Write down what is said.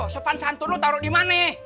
sopan santun lo taruh di mana